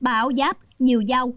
ba áo giáp nhiều dao